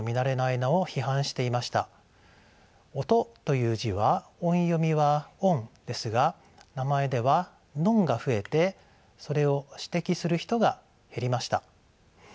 「音」という字は音読みは「オン」ですが名前では「ノン」が増えてそれを指摘する人が減りました。